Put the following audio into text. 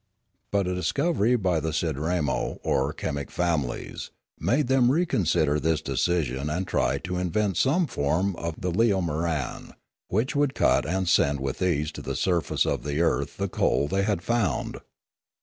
But a discovery by the Sidramo, or chemic families, made them reconsider this decision and try to invent some form of the leomoran, which would cut and send with ease to the surface of the earth the coal they had found.